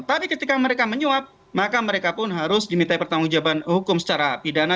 tapi ketika mereka menyuap maka mereka pun harus dimintai pertanggung jawaban hukum secara pidana